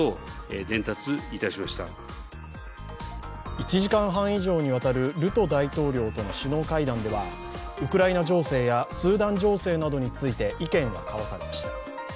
１時間半以上にわたるルト大統領との首脳会談ではウクライナ情勢や、スーダン情勢などについて、意見が交わされました。